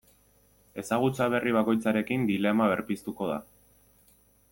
Ezagutza berri bakoitzarekin dilema berpiztuko da.